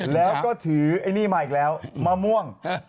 แล้วก็ถือไอ้นี่มาอีกแล้วมะม่วง